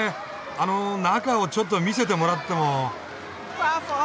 あの中をちょっと見せてもらっても。